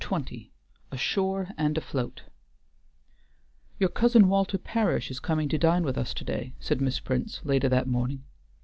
XX ASHORE AND AFLOAT "Your cousin Walter Parish is coming to dine with us to day," said Miss Prince, later that morning.